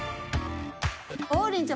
王林ちゃん